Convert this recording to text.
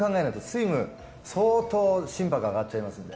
スイムで相当心拍が上がっちゃいますので。